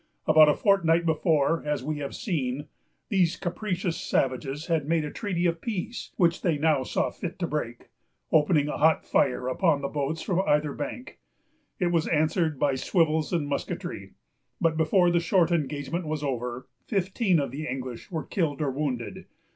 About a fortnight before, as we have seen, these capricious savages had made a treaty of peace, which they now saw fit to break, opening a hot fire upon the boats from either bank. It was answered by swivels and musketry; but before the short engagement was over, fifteen of the English were killed or wounded.